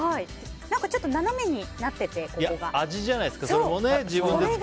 ちょっと斜めになってて、ここが。